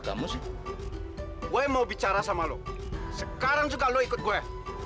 sampai jumpa di video selanjutnya